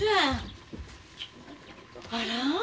あら。